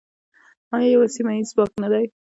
آیا یو سیمه ییز ځواک نه دی؟